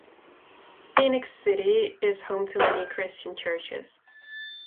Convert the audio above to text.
Phenix City is home to many Christian churches.